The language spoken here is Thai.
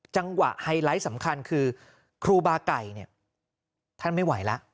ไฮไลท์สำคัญคือครูบาไก่เนี่ยท่านไม่ไหวแล้ว